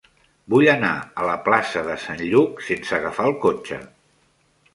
Vull anar a la plaça de Sant Lluc sense agafar el cotxe.